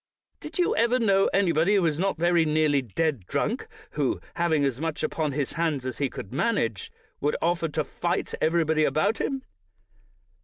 Did you ever know anybody who was not very nearly dead drunk, who, having as much upon his hands as he could manage, would offer to fight everybody about him